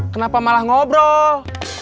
kenapa malah ngobrol